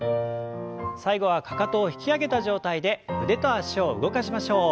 最後はかかとを引き上げた状態で腕と脚を動かしましょう。